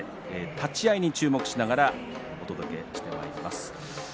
立ち合いに注目しながらお届けしていきます。